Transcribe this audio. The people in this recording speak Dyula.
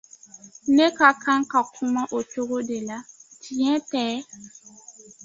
Ne ka kan ka kuma o cogo de la, tiɲɛ tɛ?